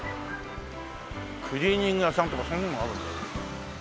クリーニング屋さんとかそういうものはあるんだよな。